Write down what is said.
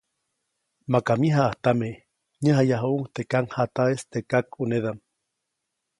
Maka myäjaʼajtame, näjayajuʼuŋ teʼ kaŋjataʼis teʼ kakʼuneʼdam.